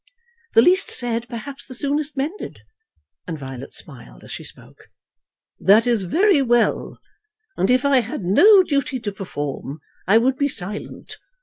"The least said, perhaps, the soonest mended," and Violet smiled as she spoke. "That is very well, and if I had no duty to perform, I would be silent.